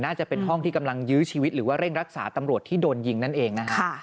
น่าจะเป็นห้องที่กำลังยื้อชีวิตหรือว่าเร่งรักษาตำรวจที่โดนยิงนั่นเองนะฮะ